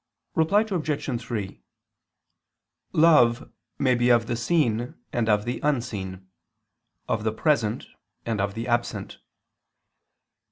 Reply Obj. 3: Love may be of the seen and of the unseen, of the present and of the absent.